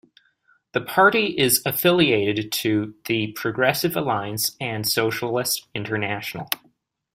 The party is affiliated to the Progressive Alliance and Socialist International.